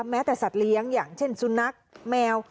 แม้แต่สัตว์เลี้ยงอย่างเช่นสุนัขแมว